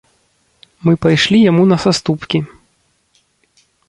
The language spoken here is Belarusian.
Мы пайшлі яму на саступкі.